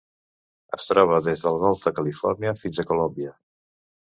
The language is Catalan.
Es troba des del Golf de Califòrnia fins a Colòmbia.